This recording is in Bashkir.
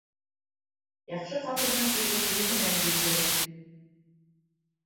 Яҡшы ҡатындың ире кейеменән билгеле.